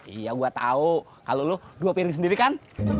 iya gue tau kalau lo dua piring sendiri kan